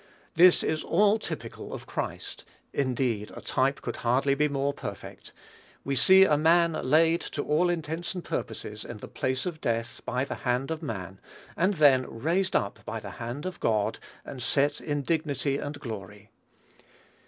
This is all typical of Christ; indeed, a type could hardly be more perfect. We see a man laid, to all intents and purposes, in the place of death, by the hand of man, and then raised up by the hand of God, and set in dignity and glory.